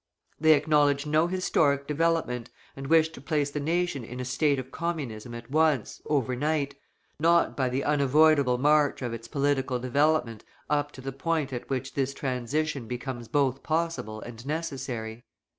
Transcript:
They acknowledge no historic development, and wish to place the nation in a state of Communism at once, overnight, not by the unavoidable march of its political development up to the point at which this transition becomes both possible and necessary.